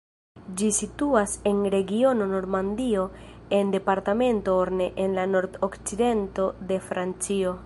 Ĝi situas en regiono Normandio en departemento Orne en la nord-okcidento de Francio.